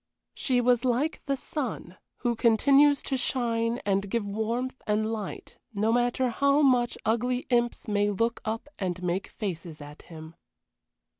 She was like the sun, who continues to shine and give warmth and light no matter how much ugly imps may look up and make faces at him.